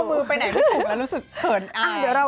มือไปไหนไม่ถูกแล้วรู้สึกเขิน